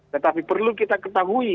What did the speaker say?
tetapi perlu kita ketahui